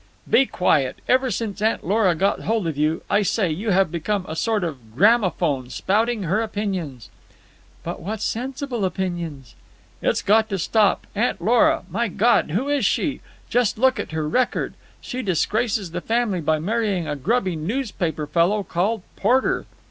"Be quiet! Ever since Aunt Lora got hold of you, I say, you have become a sort of gramophone, spouting her opinions." "But what sensible opinions!" "It's got to stop. Aunt Lora! My God! Who is she? Just look at her record. She disgraces the family by marrying a grubby newspaper fellow called Porter.